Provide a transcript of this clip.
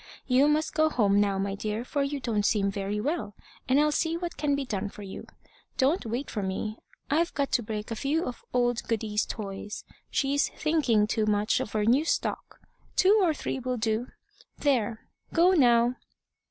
You must go home now, my dear, for you don't seem very well, and I'll see what can be done for you. Don't wait for me. I've got to break a few of old Goody's toys; she's thinking too much of her new stock. Two or three will do. There! go now."